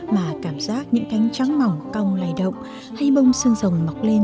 mà cảm giác những cánh trắng mỏng cong lầy động hay bông sơn rồng mọc lên